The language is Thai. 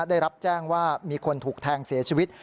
ได้รับแจ้งว่ามีคนถูกแทงเสียชีวิต